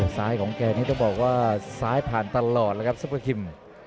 ซ้ายของแกนี่ต้องบอกว่าซ้ายผ่านตลอดแล้วครับซุปกรีม